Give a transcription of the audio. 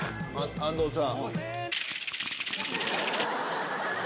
安藤さん